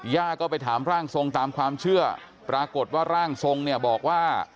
ย่าก็ไปถามร่างทรงตามความเชื่อปรากฏว่าร่างทรงเนี่ยบอกว่า